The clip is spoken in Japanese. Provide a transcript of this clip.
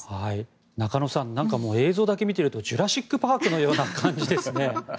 中野さん映像だけ見ていると「ジュラシック・パーク」のような感じですね。